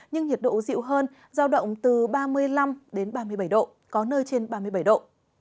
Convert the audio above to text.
nhưng nhiệt độ dịu hơn giao động từ ba mươi năm đến ba mươi bảy độ có nơi trên ba mươi bảy độ